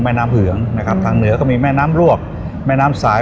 น้ำเหืองนะครับทางเหนือก็มีแม่น้ำลวกแม่น้ำสาย